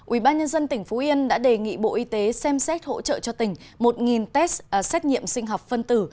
ubnd tỉnh phú yên đã đề nghị bộ y tế xem xét hỗ trợ cho tỉnh một test xét nghiệm sinh học phân tử